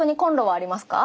あります！